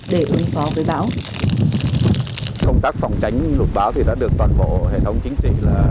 để ứng phó với các hộ gia đình